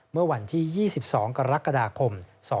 เมื่อวันที่๒๒กรกฎาคม๒๕๖